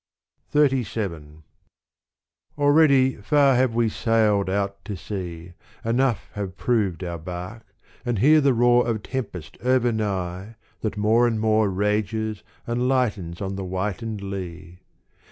XXXVII Already far have we sailed out to sea, Enough have proved our bark and hear the roar Of tempest ovemigh that more and more Rages and lightens on the whitened lea.